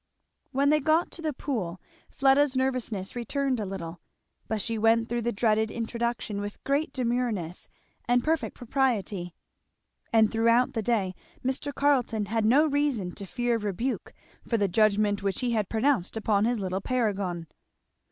When they got to the Pool Fleda's nervousness returned a little; but she went through the dreaded introduction with great demureness and perfect propriety. And throughout the day Mr. Carleton had no reason to fear rebuke for the judgment which he had pronounced upon his little paragon.